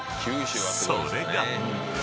［それが］